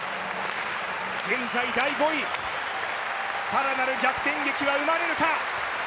現在第５位、更なる逆転劇は生まれるか。